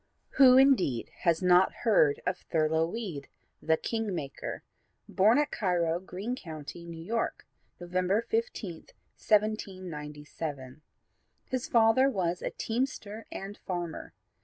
Who indeed has not heard of Thurlow Weed, "The king maker," born at Cairo, Greene County, New York, November 15, 1797. His father was a teamster and farmer.